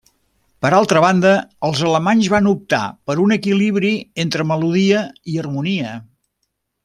Per altra banda, els alemanys van optar per un equilibri entre melodia i harmonia.